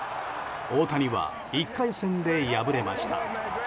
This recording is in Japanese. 大谷は１回戦で敗れました。